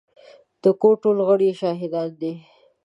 د کور ټول غړي يې شاهدان دي.